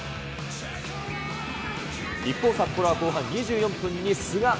一方、札幌は後半２４分に菅。